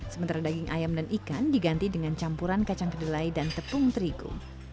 sementara daging ayam dan ikan diganti dengan campuran kacang kedelai dan tepung terigu